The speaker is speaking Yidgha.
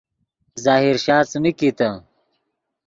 ظاہر شاہ څیمین کیتے